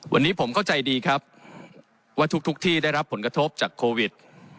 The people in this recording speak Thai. วันนี้ผมเข้าใจดีครับว่าทุกที่ได้รับผลกระทบจากโควิด